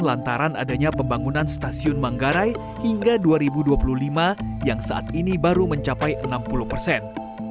lantaran adanya pembangunan stasiun manggarai hingga dua ribu dua puluh lima yang saat ini baru mencapai enam puluh persen